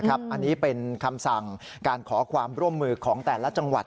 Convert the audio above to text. อันนี้เป็นคำสั่งการขอความร่วมมือของแต่ละจังหวัด